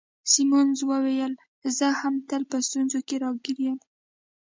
سیمونز وویل: زه هم تل په ستونزو کي راګیر یم.